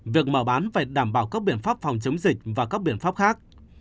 việc mở bán phải đảm bảo các biện pháp phòng chống dịch và các biện pháp khác